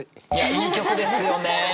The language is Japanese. いい曲ですよね。